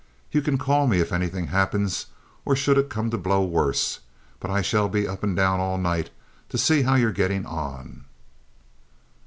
"You can call me if anything happens or should it come to blow worse, but I shall be up and down all night to see how you're getting on."